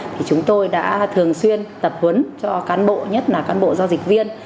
thì chúng tôi đã thường xuyên tập huấn cho cán bộ nhất là cán bộ giao dịch viên